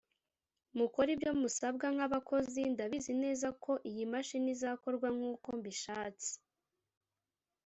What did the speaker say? mukore ibyo musabwa nk’abakozi ndabizi neza ko iyi mashini izakorwa nk’ uko mbishatse